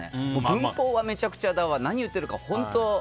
文法はめちゃくちゃだわ何言ってるか本当。